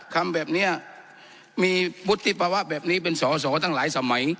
คำแบบนี้มีวุฒิภาวะแบบนี้เป็นสอสอตั้งหลายสมัย